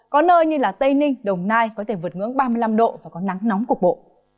có nơi như tây ninh đồng nai có thể vượt ngưỡng ba mươi năm độ và có nắng nóng cục bộ